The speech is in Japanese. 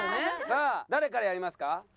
さあ誰からやりますか？